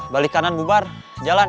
balik kanan bubar jalan